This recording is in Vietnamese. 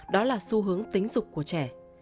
đó là xu hướng tính dục của trẻ